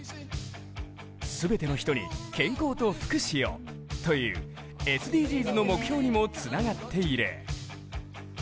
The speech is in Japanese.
「すべての人に健康と福祉を」というＳＤＧｓの目標にもつながっている。